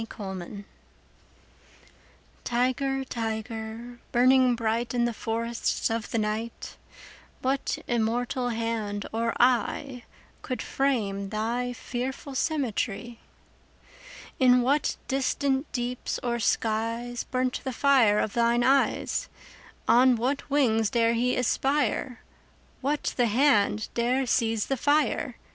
The Tiger TIGER, tiger, burning bright In the forests of the night, What immortal hand or eye Could frame thy fearful symmetry? In what distant deeps or skies 5 Burnt the fire of thine eyes? On what wings dare he aspire? What the hand dare seize the fire?